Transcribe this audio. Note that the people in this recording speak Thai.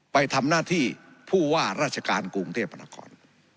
ไปทำหน้าที่ผู้ว่าราชการกรุงเทพมนาคม